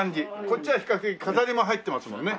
こっちは比較的飾りも入ってますもんね。